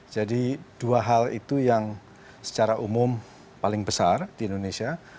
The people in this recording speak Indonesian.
jadi dua hal itu yang secara umum paling besar di indonesia